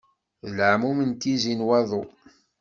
D leɛmum n tizi n waḍu.